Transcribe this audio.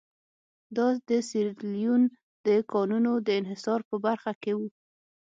دا د سیریلیون د کانونو د انحصار په برخه کې وو.